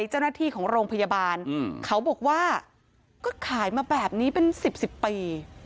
เจ้าหน้าที่ของโรงพยาบาลเขาบอกว่าก็ขายมาแบบนี้เป็น๑๐๑๐ปี